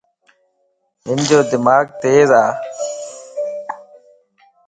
ھنجو دماغ تيز ا